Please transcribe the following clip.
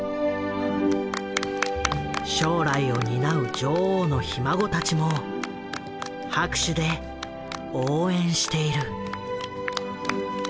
将来を担う女王のひ孫たちも拍手で応援している。